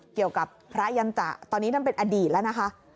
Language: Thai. เกี่ยวกับพระยันตะตอนนี้นั่นเป็นอดีตแล้วนะคะ